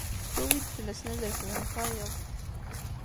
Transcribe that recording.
Tuwi-d fell-asen ad refden tayeḍ.